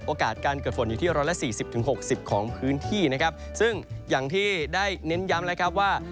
การเกิดฝนอยู่ที่ร้อยละสี่สิบถึงหกสิบของพื้นที่นะครับซึ่งอย่างที่ได้เน้นย้ำแล้วครับว่า